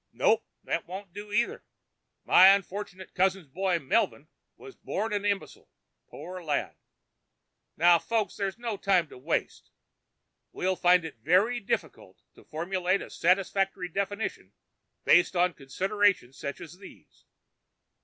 "Nope, that won't do, either; my unfortunate cousin's boy Melvin was born an imbecile, poor lad. Now, folks, there's no time to waste. We'll find it very difficult to formulate a satisfactory definition based on considerations such as these.